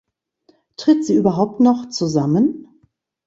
Tritt sie überhaupt noch zusammen?